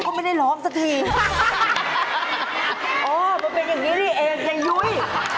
อ๋อมันเป็นอย่างนี้นี่เองอย่ายุ้ย